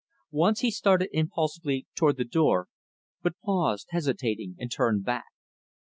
Once, he started impulsively toward the door, but paused, hesitating, and turned back.